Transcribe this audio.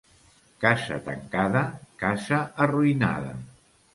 Casa tancada, casa arruïnada.